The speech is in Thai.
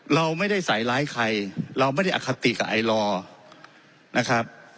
เราไม่ได้ใส่ร้ายใครเราไม่ได้อคติกับไอลอร์นะครับ